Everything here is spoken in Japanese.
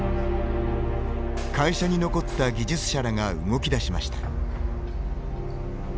会社に残った技術者らが動きだしました。